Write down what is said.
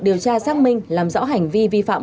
điều tra xác minh làm rõ hành vi vi phạm